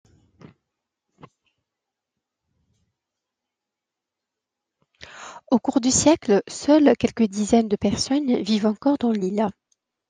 Au cours du siècle, seules quelques dizaines de personnes vivent encore dans l'île.